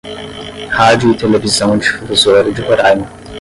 Rádio e Televisão Difusora de Roraima